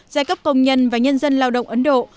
giai cấp công nhân và nhân dân lao động ấn độ